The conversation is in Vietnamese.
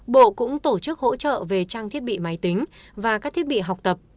bộ cũng tổ chức hỗ trợ về trang thiết bị máy tính và các thiết bị học tập